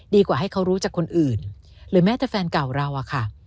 ดีกว่าให้เขารู้จักคนอื่นหรือแม้แต่แฟนเก่าเราอะค่ะ